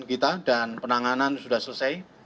kita dan penanganan sudah selesai